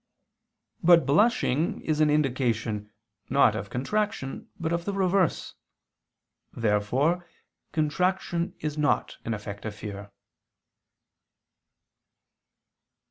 But blushing is an indication, not of contraction, but of the reverse. Therefore contraction is not an effect of fear.